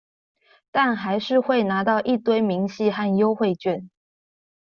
但還是會拿到一堆明細和優惠券